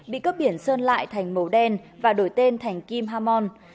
bị cướp biển sơn lại thành màu đen và đổi tên thành kim hamon